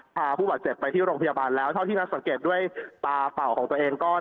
พาผู้บาดเจ็บไปที่โรงพยาบาลแล้วเท่าที่ท่านสังเกตด้วยตาเป่าของตัวเองก็